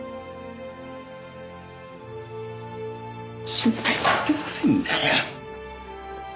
心配かけさせんなよ！